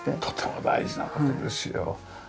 とても大事な事ですよ。